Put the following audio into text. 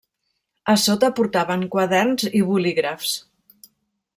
A sota portaven quaderns i bolígrafs.